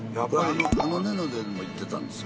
あのねのねも行ってたんです。